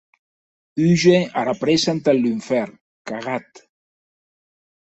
Húger ara prèssa entath lunfèrn, cagat!